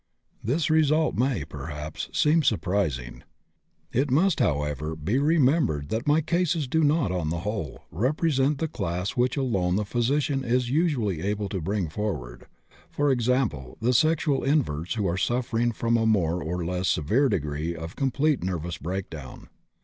This result may, perhaps, seem surprising. It must, however, be remembered that my cases do not, on the whole, represent the class which alone the physician is usually able to bring forward: i.e., the sexual inverts who are suffering from a more or less severe degree of complete nervous breakdown.